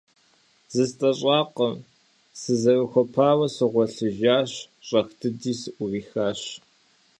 ЗыстӀэщӀакъым, сызэрыхуэпауэ сыгъуэлъыжащ, щӀэх дыди сыӀурихащ.